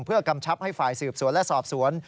เพื่อกำชับให้ฝ่ายสืบสวนและสอบสวน